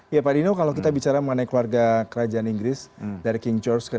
ya pak dino kalau kita bicara mengenai keluarga kerajaan inggris dari king george